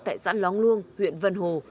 tại xã lóng lương huyện vân hồ